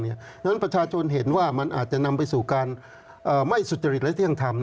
เพราะฉะนั้นประชาชนเห็นว่ามันอาจจะนำไปสู่การไม่สุจริตและเที่ยงธรรม